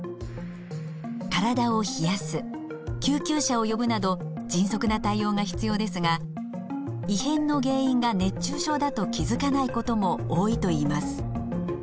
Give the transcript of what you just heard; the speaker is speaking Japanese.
体を冷やす救急車を呼ぶなど迅速な対応が必要ですが異変の原因が熱中症だと気づかないことも多いといいます。